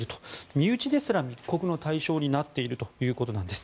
身内ですら密告の対象になっているということなんです。